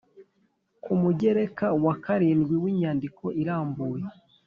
ku mugereka wa karindwi w'inyandiko irambuye.